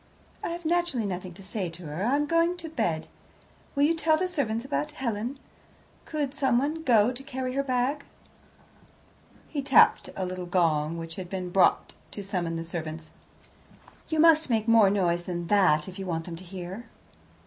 "I have naturally nothing to say to her; I am going to bed. Will you tell the servants about Helen? Could someone go to carry her bag?" He tapped a little gong, which had been bought to summon the servants. "You must make more noise than that if you want them to hear."